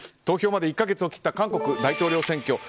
投票まで１か月を切った韓国大統領選挙。